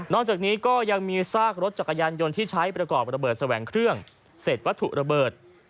จากนี้ก็ยังมีซากรถจักรยานยนต์ที่ใช้ประกอบระเบิดแสวงเครื่องเศษวัตถุระเบิด